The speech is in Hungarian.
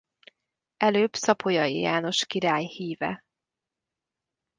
Előbb Szapolyai János király híve.